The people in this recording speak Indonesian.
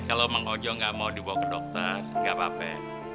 kalau bang ojo gak mau dibawa ke dokter gak apa apa ya